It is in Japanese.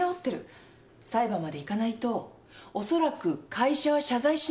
裁判までいかないと恐らく会社は謝罪しないわよ。